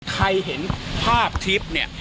ใครเห็นภาพทริปเนี่ย